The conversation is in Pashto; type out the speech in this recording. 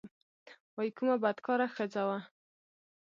وايي کومه بدکاره ښځه وه.